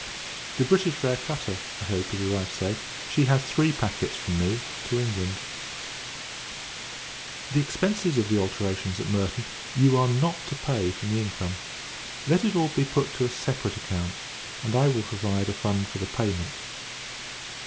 The British Fair cutter, I hope, is arrived safe. She has three packets, from me, to England, The expences of the alterations at Merton you are not to pay from the income. Let it all be put to a separate account, and I will provide a fund for the payment.